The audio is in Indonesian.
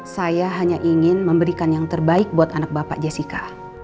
saya hanya ingin memberikan yang terbaik buat anak bapak jessica